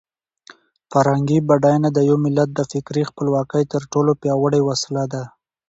فرهنګي بډاینه د یو ملت د فکري خپلواکۍ تر ټولو پیاوړې وسله ده.